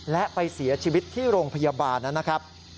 และไปเสียชีวิตที่โรงพยาบาลนะครับ